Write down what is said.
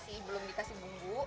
masak lereng lohs lambung